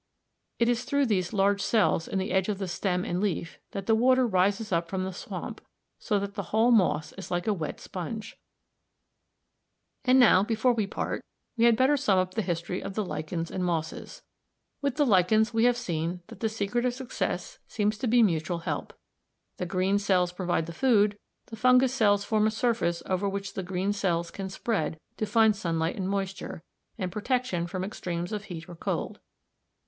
It is through these large cells in the edge of the stem and leaf that the water rises up from the swamp, so that the whole moss is like a wet sponge. [Illustration: Fig. 36. Sphagnum moss from a Devonshire bog. (From life.)] And now, before we part, we had better sum up the history of lichens and mosses. With the lichens we have seen that the secret of success seems to be mutual help. The green cells provide the food, the fungus cells form a surface over which the green cells can spread to find sunlight and moisture, and protection from extremes of heat or cold.